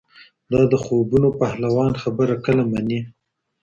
دا د خوبونو پهلوان خبره کله مني